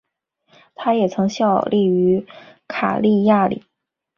他也曾效力于卡利亚里。